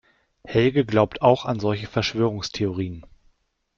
Helge glaubt auch an solche Verschwörungstheorien.